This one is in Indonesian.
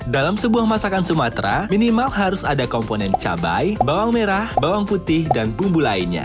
dalam sebuah masakan sumatera minimal harus ada komponen cabai bawang merah bawang putih dan bumbu lainnya